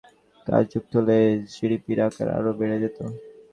পরিবারের মা-বাবা, ভাইবোনদের কাজ যুক্ত হলে জিডিপির আকার আরও বেড়ে যেত।